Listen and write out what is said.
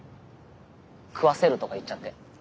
「食わせる」とか言っちゃって。